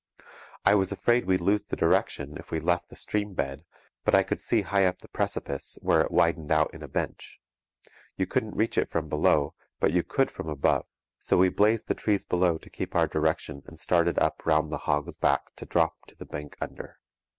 I was afraid we'd lose the direction if we left the stream bed, but I could see high up the precipice where it widened out in a bench. You couldn't reach it from below, but you could from above, so we blazed the trees below to keep our direction and started up round the hog's back to drop to the bank under.